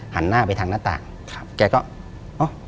หันหน้าไปทางหน้าต่างแกก็